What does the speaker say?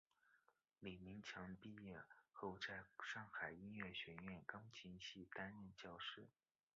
李名强毕业后在上海音乐学院钢琴系担任教师。